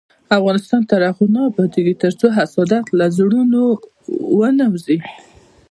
افغانستان تر هغو نه ابادیږي، ترڅو حسادت له زړونو ونه وځي.